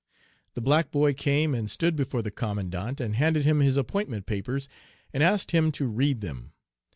"The black boy came and stood before the commandant and handed him his appointment papers and asked him to read them.